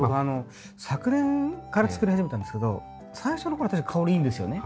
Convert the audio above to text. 昨年から作り始めたんですけど最初の頃確かに香りいいんですよね。